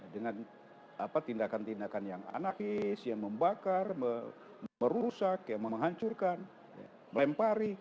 dengan tindakan tindakan yang anarkis yang membakar merusak menghancurkan melempari